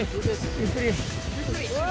ゆっくり。